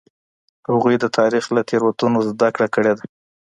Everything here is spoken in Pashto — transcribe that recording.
هغوی د تاریخ له تېروتنو زده کړه کړې ده.